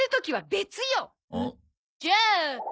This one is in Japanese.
じゃあ。